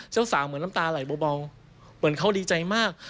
เจ้าสาวเหมือนน้ำตาไหลเบาเหมือนเขาดีใจมาก